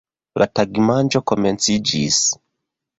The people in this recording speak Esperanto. La tagmanĝo komenciĝis.